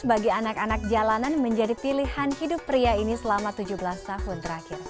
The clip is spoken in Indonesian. bagi anak anak jalanan menjadi pilihan hidup pria ini selama tujuh belas tahun terakhir